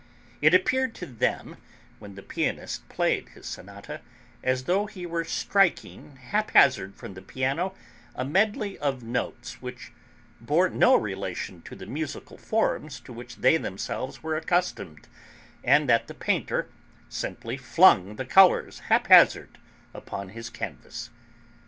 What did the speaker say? It appeared to them, when the pianist played his sonata, as though he were striking haphazard from the piano a medley of notes which bore no relation to the musical forms to which they themselves were accustomed, and that the painter simply flung the colours haphazard upon his canvas.